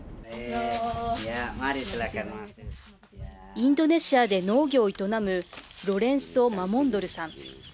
インドネシアで農業を営むロレンソ・マモンドルさん。